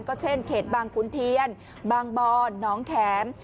ก็เช่นเขตบางขุนเทียนบางบอนน้องแข็ม